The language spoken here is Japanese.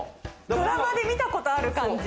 ドラマで見たことある感じ。